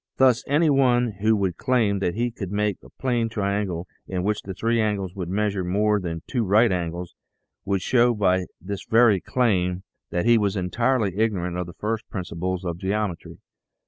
Thus any one who would claim that he could make a 4 THE SEVEN FOLLIES OF SCIENCE plane triangle in which the three angles would measure more than two right angles, would show by this very claim that he was entirely ignorant of the first principles of geometry.